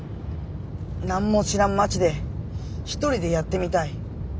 何も知らん町で１人でやってみたい。